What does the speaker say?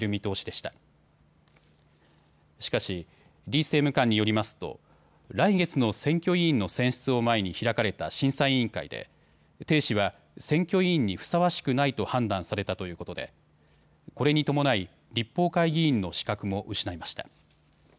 しかし李政務官によりますと来月の選挙委員の選出を前に開かれた審査委員会で鄭氏は選挙委員にふさわしくないと判断されたということでこれに伴い立法会議員の資格も失いました。